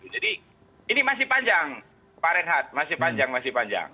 jadi ini masih panjang pak renhat masih panjang masih panjang